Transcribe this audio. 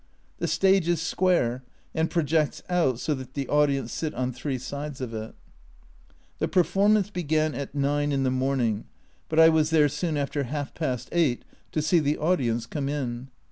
The stage is square, and projects out so that the audience sit on three sides of it. The performance began at 9 in the morning, but I was there soon after half past eight to see the audience come in.